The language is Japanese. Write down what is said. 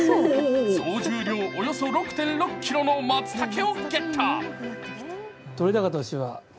総重量およそ６．６ｋｇのまつたけをゲット。